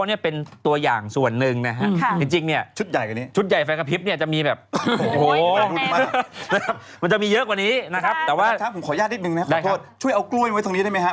ต้องตั้งตรงนี้หรือเปล่าอาจารย์หมายถึงว่ามุมที่วางแบบนี้ไหมคะ